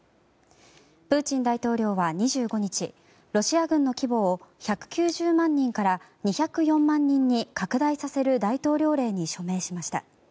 プーチン大統領は２５日ロシア軍の規模を１９０万人から２０４万人に拡大させる大統領令に署名しました。